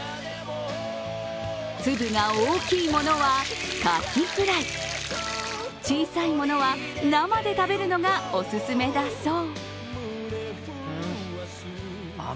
粒が大きいものはカキフライ、小さいものは生で食べるのがお勧めだそう。